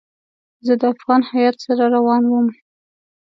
زه د افغان هیات سره روان وم.